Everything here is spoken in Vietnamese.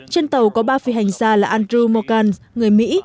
trên tàu có ba phi hành gia là andrew morgan người mỹ